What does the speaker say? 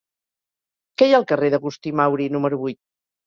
Què hi ha al carrer d'Agustí Mauri número vuit?